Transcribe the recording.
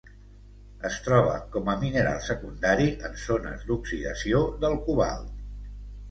Es troba com a mineral secundari en zones d'oxidació del cobalt.